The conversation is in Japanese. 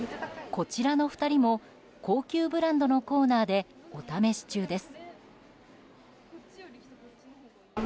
こちらの２人も高級ブランドのコーナーでお試し中です。